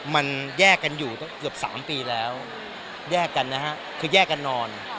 มันแยกกันอยู่เกือบสามปีแล้วแยกกันนอน